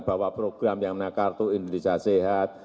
bahwa program yang menang kartu indonesia sehat